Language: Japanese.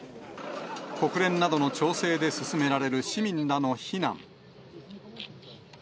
国連などの調整で進められる市民らの避難。